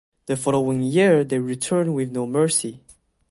The following year they returned with No Mercy.